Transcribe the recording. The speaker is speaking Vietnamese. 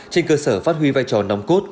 trên cơ sở phát huy vai trò nóng cốt